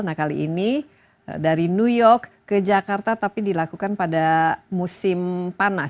nah kali ini dari new york ke jakarta tapi dilakukan pada musim panas